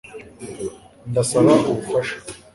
Ndasaba ubufasha